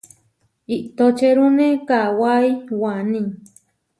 Itočerune kawái waní.